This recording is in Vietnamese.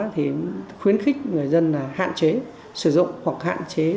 thì khuyến khích người dân là hạn chế sử dụng hoặc hạn chế